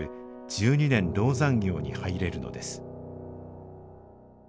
十二年籠山行に入れるのです